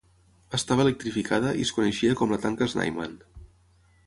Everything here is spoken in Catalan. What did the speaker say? Estava electrificada i es coneixia com la tanca Snyman.